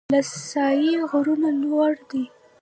اله سای غرونه لوړ دي؟